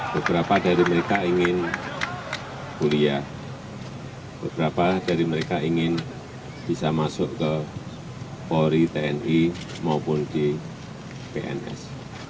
beberapa dari mereka ingin kuliah beberapa dari mereka ingin bisa masuk ke polri tni maupun di pns